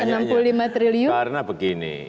agak satu ratus enam puluh lima triliun